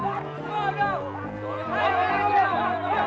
kau sudah diangkat